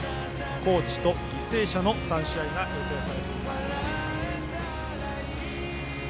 高知と履正社の３試合が予定されています。